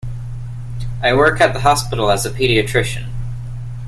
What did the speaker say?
I work at the hospital as a paediatrician.